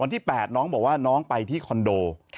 ที่๘น้องบอกว่าน้องไปที่คอนโด